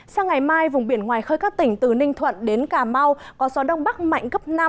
sang ngày mai vùng biển ngoài khơi các tỉnh từ ninh thuận đến cà mau có gió đông bắc mạnh cấp năm